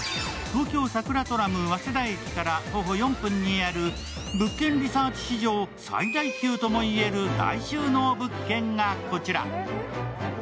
東京さくらトラム・早稲田駅から徒歩４分にある「物件リサーチ」史上最大級ともいえる大収納物件がこちら。